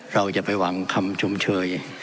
เราจะไปหวังคำชมเชย